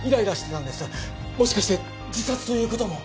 もしかして自殺ということも。